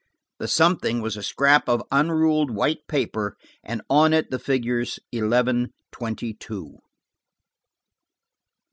The something was a scrap of unruled white paper, and on it the figures eleven twenty two!